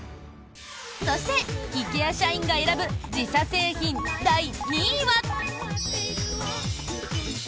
そしてＩＫＥＡ社員が選ぶ自社製品第２位は。